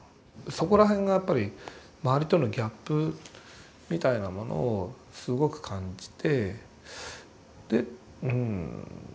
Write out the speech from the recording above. そこら辺がやっぱり周りとのギャップみたいなものをすごく感じてでうん。